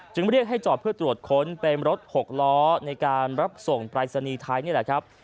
เรียกให้จอดเพื่อตรวจค้นเป็นรถหกล้อในการรับส่งปรายศนีย์ไทยนี่แหละครับ